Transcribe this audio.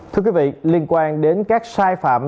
thưa quý vị liên quan đến các sai phạm